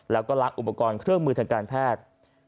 แล้วก็ลักอุปกรณ์เครื่องมือทางการแพทย์